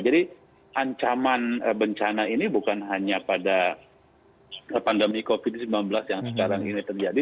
jadi ancaman bencana ini bukan hanya pada pandemi covid sembilan belas yang sekarang ini terjadi